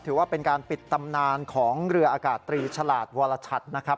ถือว่าเป็นการปิดตำนานของเรืออากาศตรีฉลาดวรชัดนะครับ